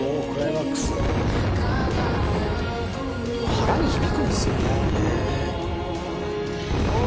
腹に響くんですよね。